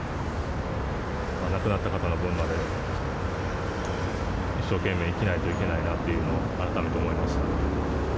亡くなった方の分まで、一生懸命生きないといけないなというのを改めて思いました。